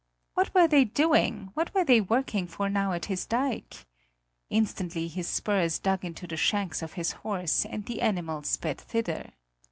What were they doing, what were they working for now at his dike? Instantly his spurs dug into the shanks of his horse, and the animal sped thither.